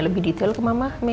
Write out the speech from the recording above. lebih detail ke mama